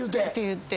言って。